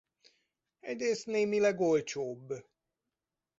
Egyrészt némileg olcsóbb.